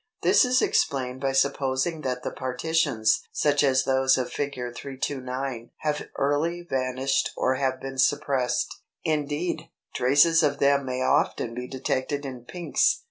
This is explained by supposing that the partitions (such as those of Fig. 329) have early vanished or have been suppressed. Indeed, traces of them may often be detected in Pinks.